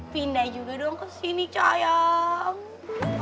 pindah juga dong ke sini sayang